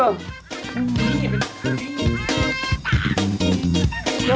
นี่เป็น